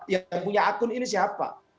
yang punya akun ini siapa